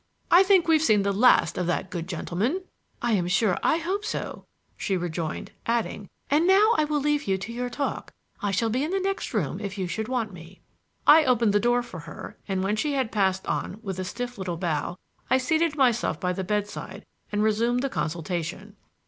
I think we've seen the last of that good gentleman." "I am sure I hope so," she rejoined, adding: "And now I will leave you to your talk; I shall be in the next room if you should want me." I opened the door for her, and when she had passed out with a stiff little bow I seated myself by the bedside and resumed the consultation.